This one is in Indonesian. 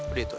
udah itu aja